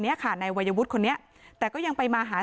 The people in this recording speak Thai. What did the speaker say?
นี่ค่ะนี่ลูกสาวนะเขามีลูกสองคนนะคะ